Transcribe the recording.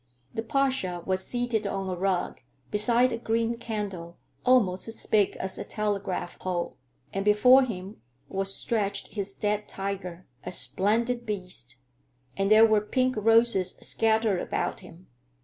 The Pasha was seated on a rug, beside a green candle almost as big as a telegraph pole, and before him was stretched his dead tiger, a splendid beast, and there were pink roses scattered about him.